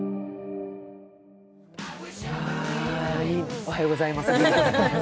おはようございます。